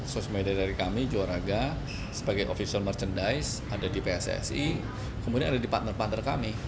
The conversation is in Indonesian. sosial media dari kami juaraga sebagai official merchandise ada di pssi kemudian ada di partner partner kami